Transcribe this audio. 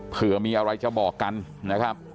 เผื่อมีอะไรจะบอกกันนะครับ